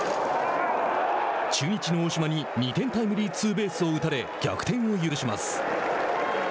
中日の大島に２点タイムリーツーベースを打たれ、逆転を許します。